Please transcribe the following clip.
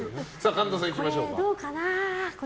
神田さんいきましょう。